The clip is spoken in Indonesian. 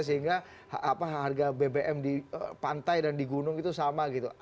sehingga harga bbm di pantai dan di gunung itu sama gitu